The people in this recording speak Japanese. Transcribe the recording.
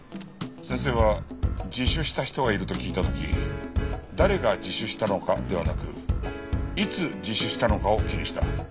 先生は自首した人がいると聞いた時「誰が」自首したのかではなく「いつ」自首したのかを気にした。